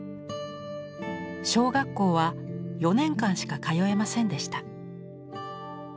小学校は４年間しか通えませんでした。